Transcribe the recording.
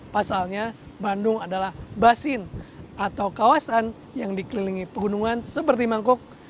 pasalnya bandung adalah basin atau kawasan yang dikelilingi pegunungan seperti mangkuk